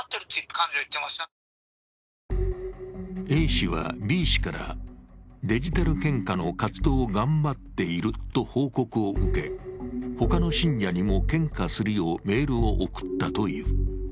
Ａ氏はＢ氏からデジタル献花の活動を頑張っていると報告を受け、ほかの信者にも献花するようメールを送ったという。